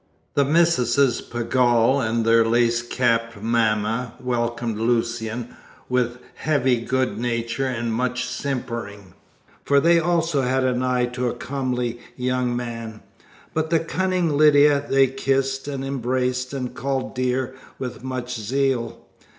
The Misses Pegall and their lace capped mamma welcomed Lucian with heavy good nature and much simpering, for they also had an eye to a comely young man; but the cunning Lydia they kissed and embraced, and called "dear" with much zeal.